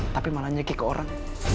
tapi malah nyeki ke orang